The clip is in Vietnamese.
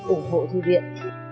ủng hộ thư viện